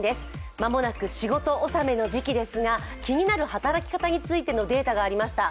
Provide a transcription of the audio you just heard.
間もなく仕事納めの時期ですが気になる働き方についてのデータがありました。